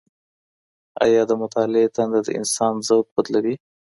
آيا د مطالعې تنده د انسان ذوق بدلوي؟